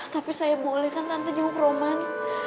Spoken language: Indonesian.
tapi saya boleh kan tante juga roman